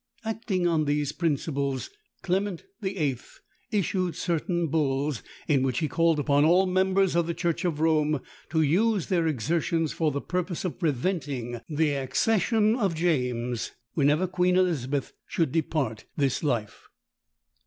Acting on these principles, Clement VIII. issued certain bulls, in which he called upon all members of the church of Rome to use their exertions for the purpose of preventing the accession of James, whenever Queen Elizabeth should depart this life.